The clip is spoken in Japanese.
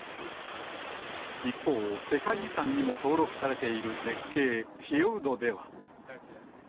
一方、世界遺産にも登録されている絶景、フィヨルドでは。